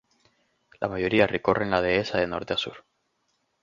La mayoría recorren la dehesa de norte a sur.